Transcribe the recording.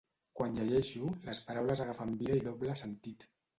Quan llegeixo, les paraules agafen vida i doble sentit.